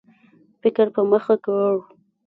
فکر په مخه کړ.